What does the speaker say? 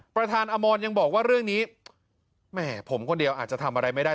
อาจารย์อมรยังบอกว่าเรื่องนี้แหมผมคนเดียวอาจจะทำอะไรไม่ได้